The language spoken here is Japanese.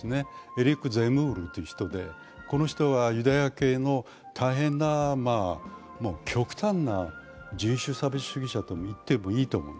エリック・ゼムールという人で、この人はユダヤ系の大変な極端な人種差別主義者と言ってもいいと思う。